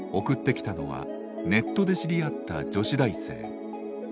送ってきたのはネットで知り合った女子大生。